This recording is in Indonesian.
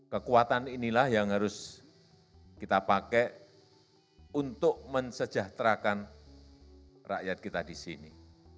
kekuatan inilah yang harus kita pakai untuk mensejahterakan rakyat kita di sini